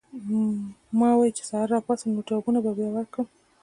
ما وې چې سحر راپاسم نور جوابونه به بیا ورکړم